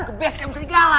ke base camp serigala